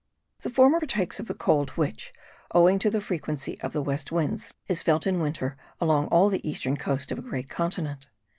The former partakes of the cold which, owing to the frequency of the west winds, is felt in winter along all the eastern coast of a great continent.